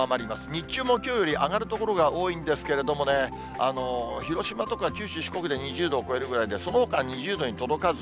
日中もきょうより上がる所が多いんですけれども、広島とか九州、四国で２０度を超えるぐらいで、そのほかは２０度に届かず。